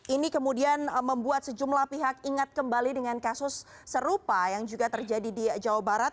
ini kemudian membuat sejumlah pihak ingat kembali dengan kasus serupa yang juga terjadi di jawa barat